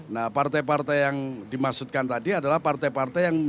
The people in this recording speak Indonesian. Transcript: nah partai partai yang dimaksudkan tadi adalah partai partai yang